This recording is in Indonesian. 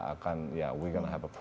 akan ada masalah